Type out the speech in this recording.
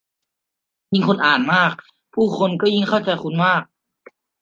ยิ่งคุณอ่านมาก ผู้คนจะยิ่งเข้าใจคุณมาก